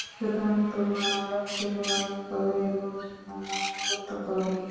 সুতরাং তোমরা আল্লাহকে ভয় কর এবং আমার আনুগত্য কর।